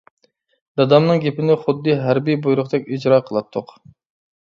دادامنىڭ گېپىنى خۇددى ھەربىي بۇيرۇقتەك ئىجرا قىلاتتۇق.